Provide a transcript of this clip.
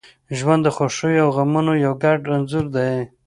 • ژوند د خوښیو او غمونو یو ګډ انځور دی.